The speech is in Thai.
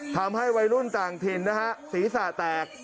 ทำให้วัยรุ่นต่างถิ่นนะฮะศีรษะแตก